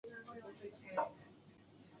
在上有漫画版连载。